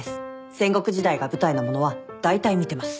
戦国時代が舞台なものはだいたい見てます。